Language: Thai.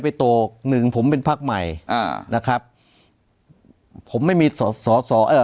โตกหนึ่งผมเป็นพักใหม่อ่านะครับผมไม่มีสอสอเอ่อ